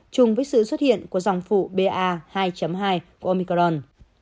chung với sự xuất hiện của dòng phụ ba hai hai của omicron